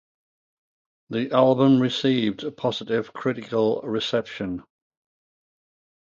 The album received positive critical reception.